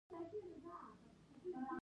دوی د مهیندراپراتاپ په هدایت روان شوي.